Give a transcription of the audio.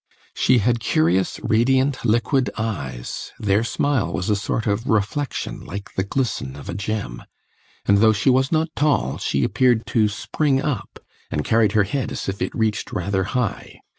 She had curious, radiant, liquid eyes (their smile was a sort of reflexion, like the glisten of a gem), and though she was not tall, she appeared to spring up, and carried her head as if it reached rather high.